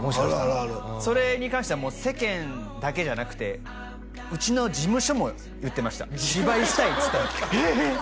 あるそれに関してはもう世間だけじゃなくてうちの事務所も言ってました「芝居したい」っつったら「ええーっ！？」